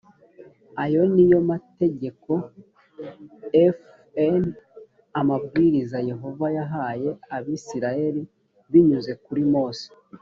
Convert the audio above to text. ayo ni yo mategeko f n amabwiriza yehova yahaye abisirayeli binyuze kuri mose